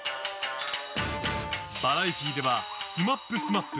バラエティーでは「ＳＭＡＰ×ＳＭＡＰ」